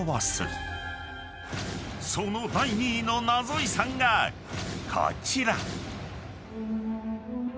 ［その第２位のナゾ遺産がこちら］